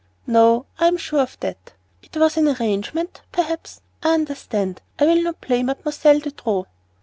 "No, I am sure of that. It was an arrangement, perhaps? I understand. I will not play Mademoiselle De Trop."